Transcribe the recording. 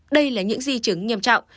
đây là những di trứng nghiêm trọng